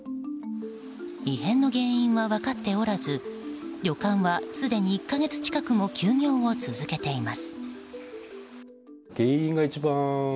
異変の原因は分かっておらず旅館はすでに１か月近くも休業を続けています。